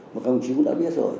mà các ông chí cũng đã biết rồi